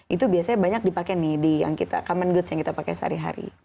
itu biasanya banyak dipakai nih di common goods yang kita pakai sehari hari